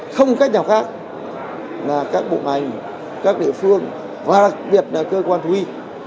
không cách nào khác là các bộ ngành các địa phương và đặc biệt là cơ quan thú y